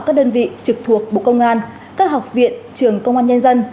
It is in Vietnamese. các đơn vị trực thuộc bộ công an các học viện trường công an nhân dân